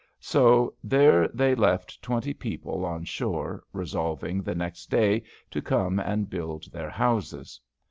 So there they left twenty people on shore, resolving the next day to come and build their houses.